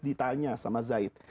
ditanya sama zaid